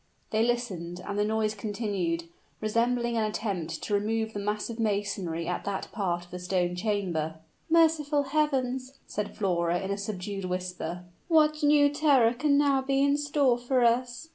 They listened, and the noise continued resembling an attempt to remove the massive masonry at that part of the stone chamber. "Merciful heavens!" said Flora, in a subdued whisper; "what new terror can now be in store for us!"